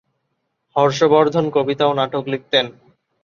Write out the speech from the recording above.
হর্ষবর্ধন কবিতা ও নাটক লিখতেন।